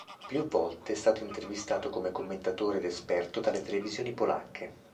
Più volte è stato intervistato come commentatore ed esperto dalle televisioni polacche.